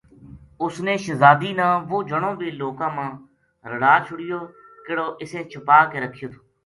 اُس نے شہزادی نے وہ جنو بی لوکاں ما رڑا چھڑیو کِہڑو اِسیں چھپا کے رکھیو تھو